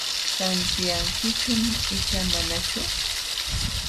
¿Tantiyankichum icha manachu?